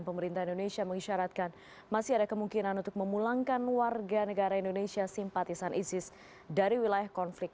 pemerintah indonesia mengisyaratkan masih ada kemungkinan untuk memulangkan warga negara indonesia simpatisan isis dari wilayah konflik